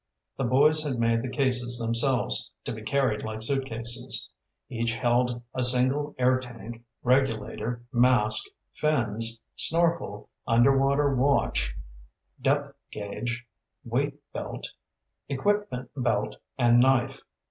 The boys had made the cases themselves, to be carried like suitcases. Each held a single air tank, regulator, mask, fins, snorkel, underwater watch, depth gauge, weight belt, equipment belt, and knife.